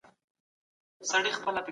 ميرويس خان نيکه څوک و او ولي مشهور دی؟